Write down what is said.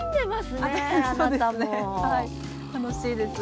はい楽しいです。